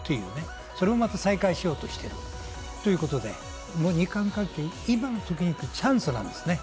それもまた再開しようとしているということで、日韓関係、今チャンスなんですね。